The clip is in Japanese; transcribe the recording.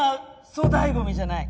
粗大ごみじゃない。